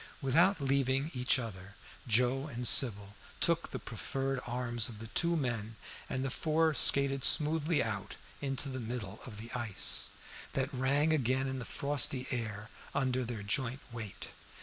Without leaving each other Joe and Sybil took the proffered arms of the two men, and the four skated smoothly out into the middle of the ice, that rang again in the frosty air under their joint weight.